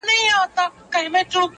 تبۍ را واخلی مخ را تورکړۍ-